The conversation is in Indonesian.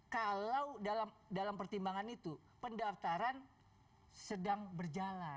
kalau dalam pertimbangan itu pendaftaran sedang berjalan